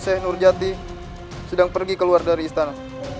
sheikh nurjati sedang pergi keluar dari istana